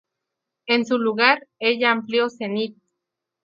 En su lugar, ella amplio "Zenith".